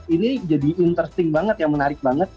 ini jadi interesting banget ya menarik banget